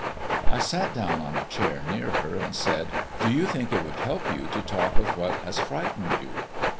I sat down on a chair near her and said "Do you think it would help you to talk of what has frightened you?"